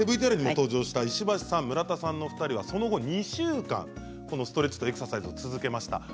ＶＴＲにご登場した石橋さんと村田さんの２人は、その後２週間このストレッチとエクササイズを続けました。